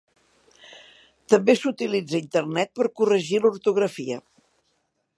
També s'utilitza a internet per corregir l'ortografia.